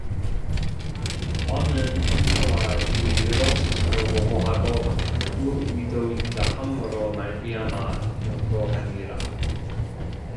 왕은 인자와 진리로 스스로 보호하고 그 위도 인자함으로 말미암아 견고하니라